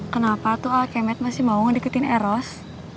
kenapa tuh a a kemet masih mau ngediketin eros